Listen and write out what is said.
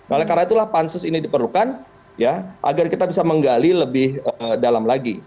oleh karena itulah pansus ini diperlukan ya agar kita bisa menggali lebih dalam lagi